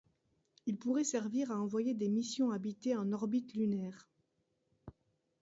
Il pourrait servir à envoyer des missions habitées en orbite lunaire.